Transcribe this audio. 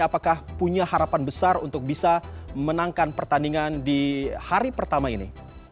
apakah punya harapan besar untuk bisa menangkan pertandingan di hari pertama ini